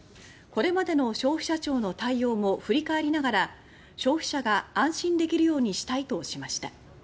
これまでの消費者庁の対応も振り返りながら消費者が安心できるようにしたいとしました。